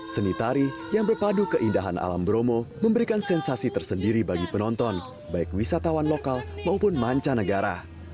seni tari yang berpadu keindahan alam bromo memberikan sensasi tersendiri bagi penonton baik wisatawan lokal maupun mancanegara